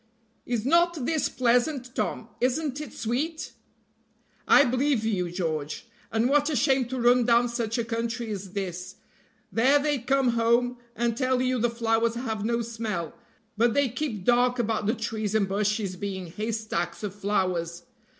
"Is not this pleasant, Tom isn't it sweet?" "I believe you, George! and what a shame to run down such a country as this. There they come home, and tell you the flowers have no smell, but they keep dark about the trees and bushes being haystacks of flowers.